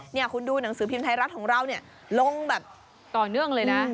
นี่คุณดูหนังสือพิมพ์ไทยรัฐของเราเนี่ยลงแบบต่อเนื่องเลยนะ